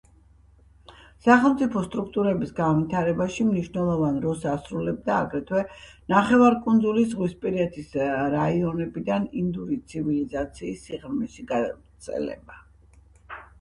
სახელმწიფო სტრუქტურების განვითარებაში მნიშვნელოვან როლს ასრულებდა აგრეთვე, ნახევარკუნძულის ზღვისპირეთის რაიონებიდან ინდური ცივილიზაციის სიღრმეში გავრცელება.